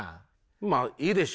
まあいいでしょう。